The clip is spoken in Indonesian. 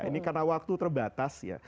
ini karena waktu terbatas ya